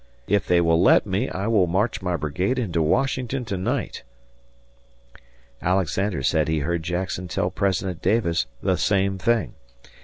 If they will let me, I will march my brigade into Washington to night." Alexander said he heard Jackson tell President Davis the same thing.